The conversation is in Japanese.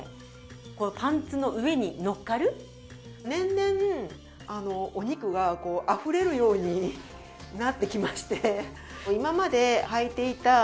年々お肉があふれるようになってきまして。